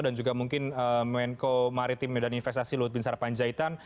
dan juga mungkin menko maritim medan investasi lut binsar panjaitan